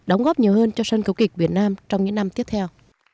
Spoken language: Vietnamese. đóng góp nhiều hơn cho sân khấu kịch việt nam trong những năm tiếp theo